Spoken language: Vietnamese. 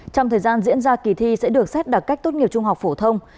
trong thời gian diễn ra kỳ thi sẽ được xét đặc cách tốt nghiệp trung học phổ thông